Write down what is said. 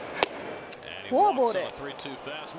フォアボール。